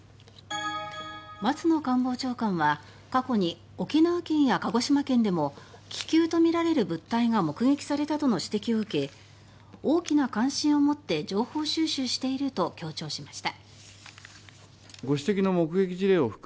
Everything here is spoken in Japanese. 松野官房長官は過去に沖縄県や鹿児島県でも気球とみられる物体が目撃されたとの指摘を受け大きな関心を持って情報収集していると強調しました。